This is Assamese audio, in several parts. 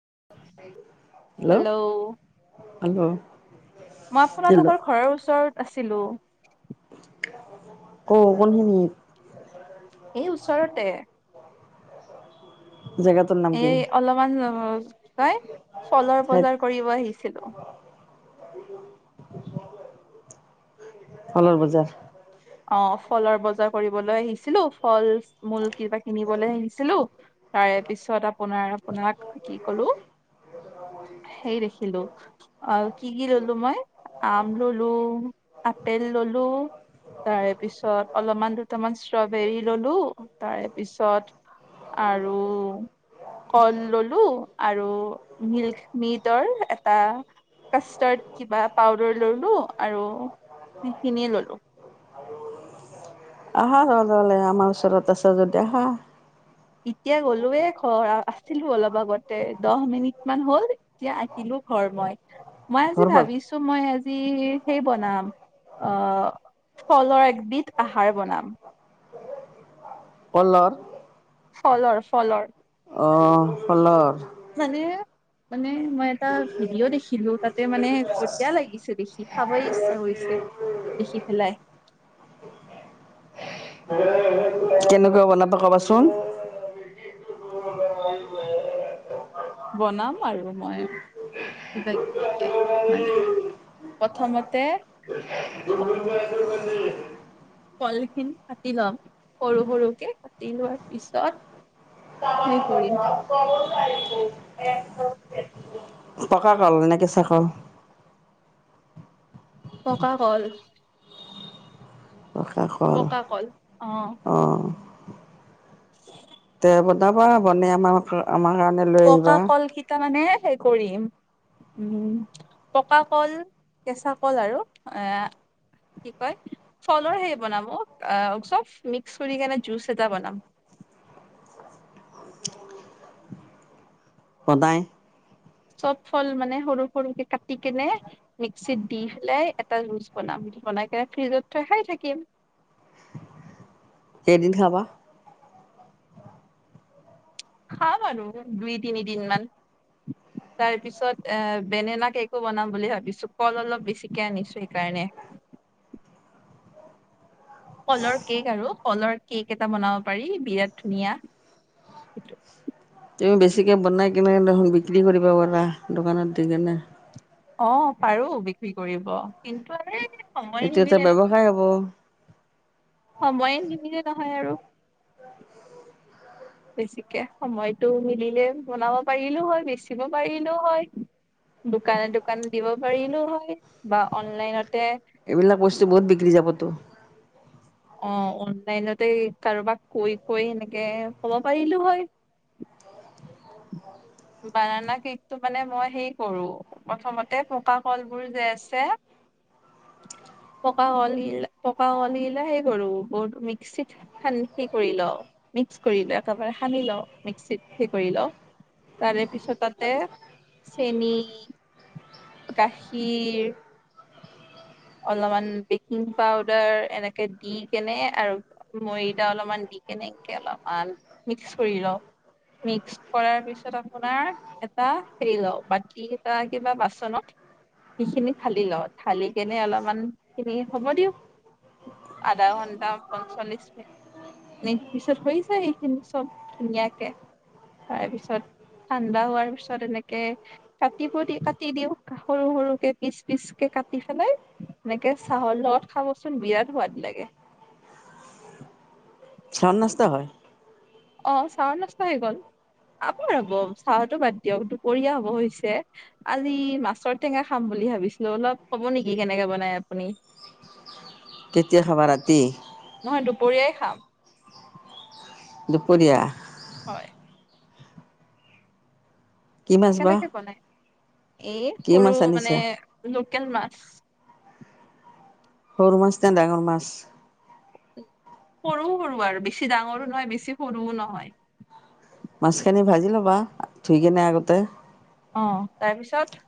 স হেল্ল' মই হেল্ল' আপোনালোকৰ ঘৰৰ ওচৰত আছ ছিলিলো ক কোন খিনিত এই ওচৰতে জেগাটোৰ নাম এ কি অলপমান হয় [unintelligible] হয় ফলৰ ঠাইত বজাৰ কৰিব আহিছিলো। [inaudible] ফলৰ বজাৰ? অ ফলৰ বজাৰ কৰিবলৈ আহিছিলো, ফল মূল কিবা কিনিবলৈ আহিছিলো, তাৰে পিছত আপোনাৰ আপোনাক কি কলো, সেই দেখিলো, অ কি-কি ললো মই? আম ললো, আপেল ললো, তাৰে পিছত অলপমান দুটামান ষ্ট্ৰবেৰী ললোঁ, তাৰে পিছত আৰু কল ললোঁ, আৰু মিল্ক মিটৰ এটা কাষ্টাৰ্ড কিবা পাউদাৰ ললোঁ আৰু সেইখিনি ললোঁ। আহা ৰ'ল'ল আমাৰ ওচৰত আচা যদি আহা। এতিয়া গলোয়ে ঘৰ, আছিলো অলপ আগতে দহ মিনিট মান হ'ল এতিয়া আকিলো ঘৰ মই। মই আজি ঘৰ পাল ভাবিছো মই আজি সেই বনাম আহ ফলৰ একবিধ আহাৰ বনাম ফলৰ? ফলৰ-ফলৰ। অঁ ফলৰ মানে মানে মই এটা ভিডিঅ' দেখিলো, তাতে মানে বঢ়িয়া লাগিছে দেখি খাবই ইচ্ছা কৰিছে দেখি পেলাই। কেনেকুৱা বনাব ক ছোন বনাম আৰু মই, কিবা কিবিকে মানে, প্ৰথমতে দুৰ্গ যগে [unintelligible] কলখিনি কাটি লম, সৰু-সৰু কে কাটি লোৱাৰ পিছত, কৰিম পকা কল নে কেঁচা কল? পকা কল। পকা কল। অ। অঁ উ [unintelligible] তে বনাবা, বনাই আমাৰ আমাৰ কাৰণে লৈ আহিবা। হ কৰিম। উম, পকা কল কেঁচা কল আৰু। এ কি কয়? ফলৰ সেই বনাম আহ চব মিক্স কৰি কেনে জুচ এটা বনাম। সদায় চব ফল মানে সৰু সৰুকে কাটি কেনে মিক্সিত দি পেলাই এটা জুচ বনাম, বনাই কিনে ফ্ৰিজত থৈ খাই থাকিম। কেইদিন খাবা? খাম আৰু দুই তিনি দিন মান, তাৰ পিছত এ বেনানা কেকো বনাম বুলি ভাবিছো কল অলপ বেছিকে আনিছো সেইকাৰণে। কলৰ কেক আৰু কলৰ কেক এটা বনাব পাৰি বিৰাট ধুনীয়া। তুমি বেছিকে বনাই কেনে দেখা বিক্ৰী কৰিবা পাৰা, দোকানত দি কেনে? অ পাৰো বিক্ৰী কৰিব কিন্তু এ সময়ে এইটো এটা নিমিলে ব্যৱসায় হ'ব সময়ে নিমিলে নহয় আৰু। বেছিকে সময়তটো মিলিলে বনাব পাৰিলো হয় বেছিব পাৰিলো হয়, দোকানে দোকানে দিব পাৰিলো হয়। বা অনলাইনতে এইবিলাক বস্তু বহুত বিক্ৰী যাবতো। অ', অনলাইনতে কাৰোবাক কৈ- কৈ এনেকে কব পাৰিলো হয়। বানানা কেকটো মানে মই হেই কৰো প্ৰথমতে পকা কলবোৰ যে আছে পকা কলিল পকা কলিলে হেই কৰো ব মিক্সিত কৰি ল মিক্স কৰি ল একেবাৰে সানি লওঁ মিক্সিত সেই কৰি লওঁ। তাৰে পিছত তাতে চেনী, গাখীৰ, অলপমান বেকিং পাউদাৰ এনেকে দি কেনে আৰু মইদা অলপমান দি কেনে এনেকে লগে অলপমান মিক্স কৰি লওঁ মিক্স কৰাৰ পিছত আপোনাৰ এটা হেৰি লওঁ বাতি এটা কিবা বাচনত সিখিনি ঢালি লওঁ। ঢালি কেনে অলপমান খিনি হ'ব দিওঁ আধা ঘন্টা পঞ্চল্লিশ মিনিট পিছত হৈ যায় এইখিনি চব ধুনীয়াকে তাৰপিছত ঠাণ্ডা হোৱাৰ পিছত এনেকে কাটিব দি কাটি দিওঁ সৰু- সৰুকে পিচ পিচকে কাট দি পেলাই এনেকে চাহৰ লগত খাবচোন বিৰাট সোৱাদ লাগে। চাম নষ্ট হয় অ', চাহৰ নষ্ট হৈ গল আপোনানি চাহতো বাদ দিয়ক দুপৰীয়া হব হৈছে আজি মাছৰ টেঙা খাম বুলি ভাবিছিলো অলপ কব নেকি কেনেকে বনাই আপুনি? কেতিয়া খাব ৰাতি? নহয় দুপৰীয়াই খাম। দুপৰীয়া হয়' কি মাছ বা কেনেকে বনাই? এই কি সৰু মাছ মানে আনিছা লোকেল মাছ। সৰু মাছ ন ডাঙৰ মাছ? সৰু-সৰু আৰু বেছি ডাঙৰো নহয় বেছি সৰুও নহয়। মাছখিনি ভাজি ল'বা ধুই কিনে আগতে। অ', তাৰপিছত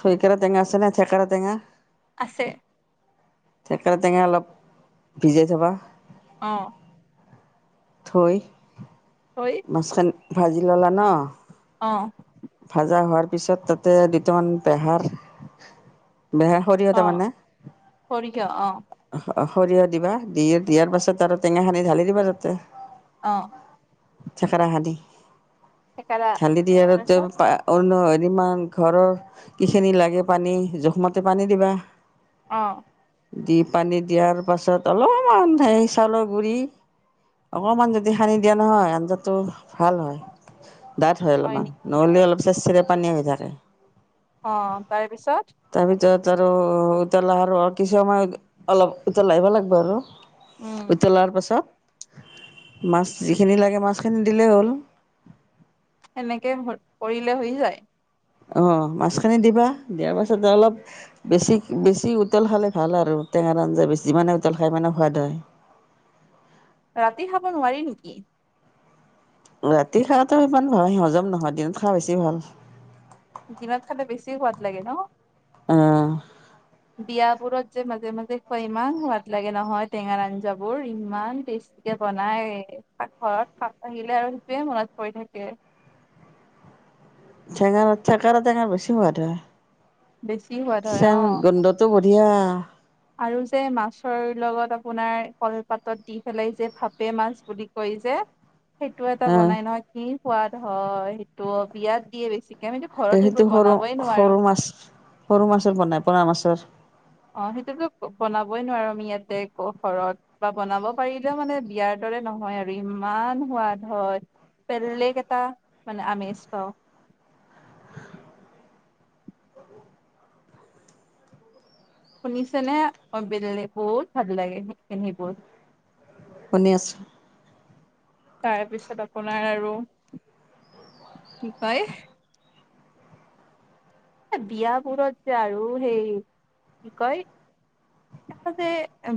থৈকেৰাৰ টঙা আছে নে থেকেৰা টঙা। আছে। থেকেৰা টেঙে অলপ ভিজাই থবা। অ', থৈ থৈ মাছখন ভাজি ল'লা ন অ', ভাজা হোৱাৰ পিছত তাতে দুটামান পেহাৰ বেহাৰ সৰিয়হ অ তাৰ মানে অঁ', সৰিয়হ অ সৰিয়হ দিবা দি দিয়াৰ পাছত আৰু টেঙাখানি ঢালি দিবা তাতে। অ', চাকৰাহাদি থেকেৰা ধালি দি‌ ৰ তাৰপিছত প অ হয় [unintelligible] মান ঘৰৰ কি খিনি লাগে পানী জোখমতে পানী দিবা। অ। দি পানী দিয়াৰ পাছত অলপমান সেই চাউলৰ গুৰি, অকণমান যদি সানি দিয়া নহয় আঞ্জাটো ভাল হয়। ডাঠ হয় অলপমান। অলপ চেচিৰে পানী হৈ থাকে। অ, তাৰ পিছত- তাত আৰু উতলা আৰু কিছু সময় অলপ উতলা আহিব লাগিব উম আৰু- উতলাৰ পাছত- মাছ যিখিনি লাগে মাছখিনি দিলেই হ'ল। সেনেকে পৰিলে হৈ যায়। অ মাছখিনি দিবা, দিয়াৰ পাছত অলপ বেছি বেছি উতল খালে ভাল আৰু টেঙাৰ আঞ্জা যিমানে উতল খায় সমানে সোৱাদ হয়। ৰাতি খাব নোৱাৰি নেকি? ৰাতি খোৱাটো ইমান ভাল সি হজম নহয় দিনত খোৱা বেছি ভাল। দিনত খালে বেছি সোৱাদ লাগে ন। অ। বিয়াবোৰত যে মাজে মাজে খুৱাই ইমান সোৱাদ লাগে নহয় টেঙাৰ আঞ্জাবোৰ ইমান টেষ্টিকে বনাই, পাক ঘৰত খাপ আহিলে আৰু সেইটোৱে মনত পৰি থাকে। টেঙাৰ, থেকেৰা টেঙাৰ বেছি সোৱাদ হয়। বেছি সোৱাদ হয় চেন অ', গোন্ধটো ব- দিয়া। আৰু যে মাছৰ লগত আপোনাৰ কলপাতত দি পেলাই যে ভাপে মাছ বুলি কয় যে। সেইটো এটা অঁ বনাই নহয় কি? সোৱাদ হয় সেইটো বিয়াত দিয়ে বেছি। এইটো সৰু, সৰু মাছ, সৰু মাছৰ বনাই পৰা মাছৰ- অ সেইটোতো বনাবই নোৱাৰো আমি ইয়াতে ঘৰত বা বনাব পাৰিলেও মানে বিয়াৰ দৰে নহয় আৰু ইমান সোৱাদ হয়, বেলেগ এটা মানে আমেজ পাওঁ। শুনিছেনে, অ ব বহুত ভাল লাগে সেইখিনি সেইব- শুনি আছোঁ। তাৰপিছত আপোনাৰ আৰু কি কয়? বিয়াবোৰত যে আৰু সেই, কি কয় যে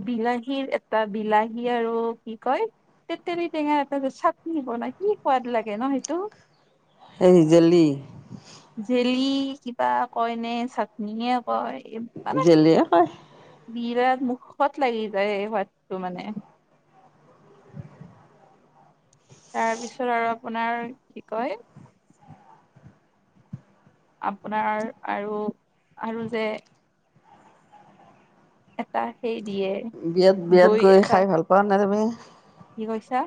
বিলাহীৰ এটা বিলাহী আৰু কি কয় তেতেলী টেঙা এটা যে চাটনি বনাই কি সোৱাদ লাগে ন সেইটো। এই জেলী- তাৰ কৈনে ছাটনি- কয় মানে- জেলিয়ে কয় বিৰাট মুখত লাগি যায় এই সোৱাদটো মানে- তাৰপিছত আৰু আপোনাৰ কি কয়? আপোনাৰ আৰু, আৰু যে- এটা সেই- দিয়ে বিয়াত বিয়াত দৈ গৈ এটা খাই ভাল পা নে তুমি? কি কৈছা?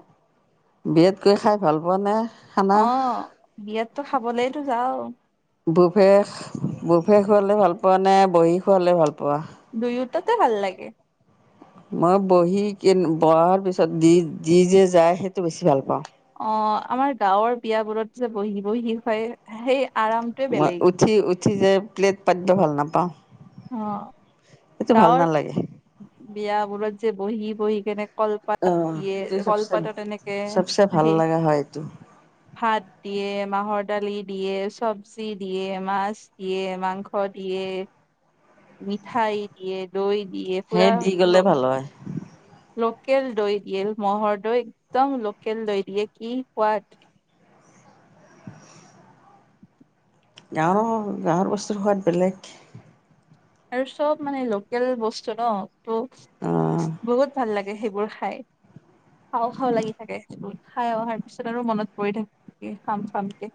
বিয়াত গৈ খাই ভাল পোৱা নে? খানা অ বিয়াত। তো খাবলেতো যাওঁ। বুফে বুফে খুৱালে ভাল পোৱা নে বহী খোৱালে ভাল পোৱা। দুয়োটাতে ভাল লাগে। মই বহি কেন বহাৰ পিছত দি যি যে যায় সেইটো বেছি ভাল পাওঁ। অ আমাৰ গাঁৱৰ বিয় বোৰত যে বহি বহি দেখুৱাই সেই। আৰামটোৱে ৱা বেলেগ ।উঠি উ উঠিযে প্লেট পাটদৃ ভাল নাপাওঁ। অ'। সেইটো ভাল ডাৱৰ। নালাগে বিয়া বোৰত যে বহি বহি কেনে--। অ কলপাত দিয়ে সেইটো চবচে কলপাতত এনেকে চবচে ভাল সেই লগা হয় এইটো ভাত দিয়ে। মাহৰ দালি দিয়ে, চব্জি দিয়ে, মাছ দিয়ে, মাংস দিয়ে। মিঠাই দিয়ে, দৈ দি--। সেই দি গলে ভাল হয়। লোকেল দৈ দিয়ে। ম'হৰ দৈ একদম লোকেল দৈ দিয়ে। কি সোৱাদ। গাওঁৰ- গাওঁৰ বস্তুৰ সোৱাদ বেলেগ। আৰু চব মানে লোকেল বস্তু ন। অ অ' বহুত ভাল লাগে। এ সেইবোৰ খাই খাওঁ খাওঁ লাগি থাকে। খাই অহাৰ পিছত আৰু মনত পৰি থাকে খাম খামকে।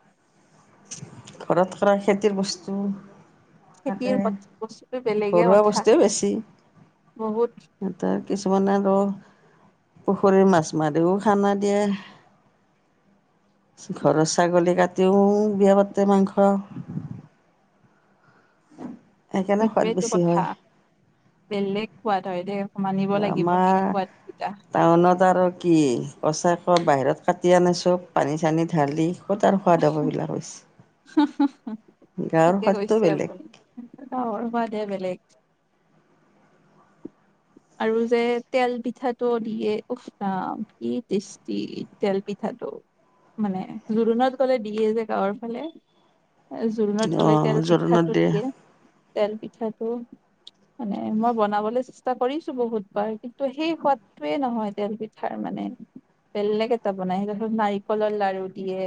ঘৰত কৰা খেতিৰ বস্তু। তাকে। খেতিৰ বস্তুটো বেলেগে ঘৰুৱা কথা বস্তুৱে বেছি বহুত সিহঁতৰ। কিছুমান আৰু পুখুৰীৰ মাছ মাৰিও খানা দিয়ে, ঘৰৰ ছাগলী কাটিও বিয়া পাত--। তে মাংস। [inaudible] সোৱাদ সেইটোৱেই টো বেছি হয় কথা বেলেগ সোৱাদ। [unintelligible] লাগিব আমাৰ সেই সোৱাদ কেইটা। টাউনত আৰু কি? পঁচাক বাহিৰত কাটি আনিছোঁ পানী চানী ঢালি। কত আৰ সোৱাদ হব ইবিলাক হৈছে। হাঁহ হাঁহ গাঁৱৰ থিকে সোৱাদটো কৈছে বেলেগ আপুনি। গাঁওৰ সোৱাদে বেলেগ। আৰু যে তেল পিঠাটো দিয়ে। উফ ৰাম কি টেষ্টি তেল পিঠাটো মানে। জোৰোণত গ'লে দিয়ে যে গাঁৱৰ ফালে। জোৰণত গলে অঁ তেল জোৰোণত পিঠাটো দিয়ে। তেল পিঠাটো। মানে মই বনাবলৈ চেষ্টা কৰিছো। বহুত বাৰ কিন্তু সেই সোৱাদটোৱে নহয় তেল পিঠাৰ মানে। বেলেগ এটা বনাই [unintelligible] নাৰিকলৰ লাৰু দিয়ে,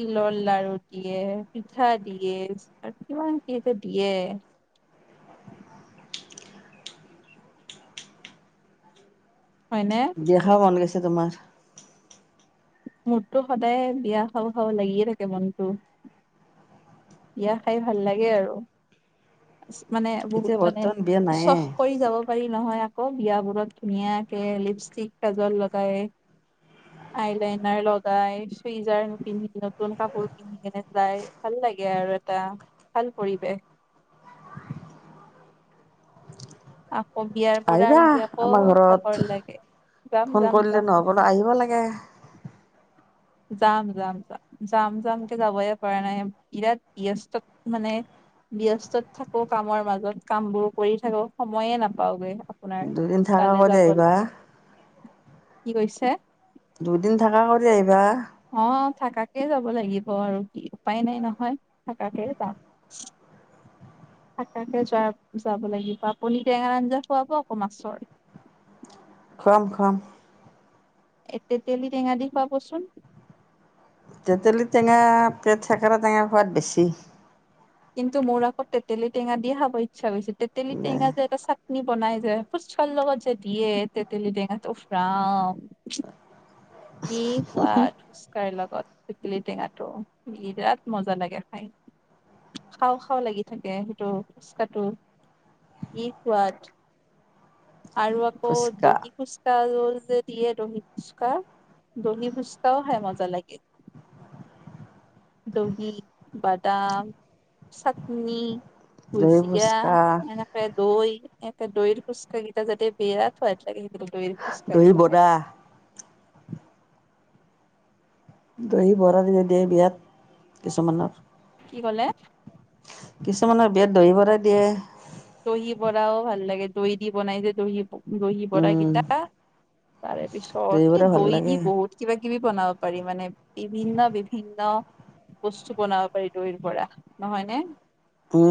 তিলৰ লাৰু দিয়ে, পিঠা দিয়ে আৰু কিমান কি যে দিয়ে। হয়নে? বিয়া খাবা মন গৈছে। তোমাৰ। মোৰটো সদায় বিয়া খাওঁ খাওঁ লাগিয়ে থাকে মনটো। বিয়া খাই ভাল লাগে আৰু। মানে বহুত এতিয়া মানে বৰ্তমান বিয়া নায়ে চখ কৰি যাব পাৰি নহয় আ আকৌ বিয়াবোৰত ধুনীয়াকে লিপষ্টিক কাজল লগাই, আইলাইনাৰ লগাই, চুইজাৰ পিন্ধি নতুন কাপোৰ পিন্ধি কেনে যাই ভাল লাগে। গে আৰু এটা ভাল পৰিৱেশ। অ আহিবা আমাৰ ঘৰত। লাগে যাম ফোন যাম যাম কল্লে নহ'ব ন আহিব লাগে। যাম যাম যাম। যাম যামকে যাবই পৰা নাই। বিৰাট ব্যস্তত মানে ব্যস্তত থাকো কামৰ মাজত কাম বোৰ কৰি থাকো সময়ে নাপাওগৈ। দুদিন থাকা কৰি আহিবা। কি কৈছে দুদিন থাকা কৰি আহিবা অ থাকাকে যাব লাগিব আৰু কি উপায় নাই নহয় থাকাকে যাম থাকাকে যোৱা যাব লাগিব আপুনি টেঙা আঞ্জা খুৱাব আকৌ মাছৰ খোৱাম খোৱাম তেতেলি টেঙা দি খুৱাবচোন তেতলি টেঙা পেট থেকেৰা টেঙাৰ সোৱাদ বেছি কিন্তু মোৰ আকৌ তেতেলী টেঙা দিয়ে খাব ইচ্ছা গৈছে তেতেলি টেঙা এটা চাক নি বনাই যায় ফোচাকাৰ লগত যে দিয়ে তেতেলি টেঙাটো ওফ ৰাম কি সোৱাদ ফোচকাৰ লগত তেতেলি টেঙাটো বিৰাট মজা লাগে খাই খাওঁ খাওঁ লাগি থাকে সেইটো ফোকাটো কি সোৱাদ আৰু আকৌ ফুচকা দহি ফোচকা ৰুল দিয়ে দহি ফুচকা দহি ফুচকাও খাই মজা লাগে দহি, বাদাম, চাটনি দহি তুলচিগিয়া ফুচকা এনেকে দৈ এ দৈৰ ফুচকা কিতা যে বিৰাত ফাইভ লাগে দৈৰ ফুচকা দহি কিতা খাই বৰা দহি বৰাৰ যে দিয়ে বিয়াত কিছুমানৰ কি ক'লে কিছুমানৰ বিয়াত দহিবৰাই দিয়ে দহি বৰাও ভাল লাগে দৈ দি বনাই যে দহি দহি বৰা উম, কিটা তাৰে দহি পিছত বৰা এই ভাল দৈ লাগে দি বহুত কিবা কি কিবি বনাব পাৰি মানে বিভিন্ন বিভিন্ন বস্তু বনাব পাৰি দৈৰ পৰা নহয় নে উম